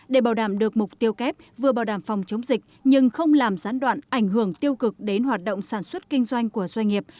để bảo đảm được mục tiêu kép vừa bảo đảm phòng chống dịch nhưng không làm gián đoạn ảnh hưởng tiêu cực đến hoạt động sản xuất kinh doanh của doanh nghiệp